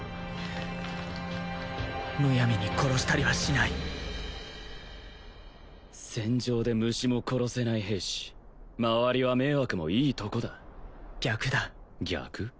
むやみに殺したりはしない戦場で虫も殺せない兵士周りは迷惑もいいとこだ逆だ逆？